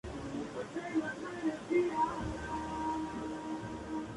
En su creación colaboraron sus hermanos, formando la denominada "Factoría Blasco".